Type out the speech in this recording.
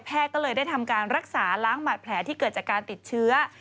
ก็เลยได้ทำการรักษาล้างบาดแผลที่เกิดจากการติดเชื้อ